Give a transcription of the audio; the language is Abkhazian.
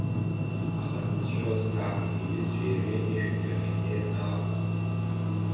Аха дзыцәшәоз Ҭакәи иҩызцәеи иареи анышәынҭрахь имнеир ҳәа акәын.